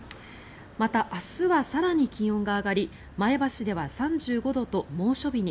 また、明日は更に気温が上がり前橋では３５度と猛暑日に。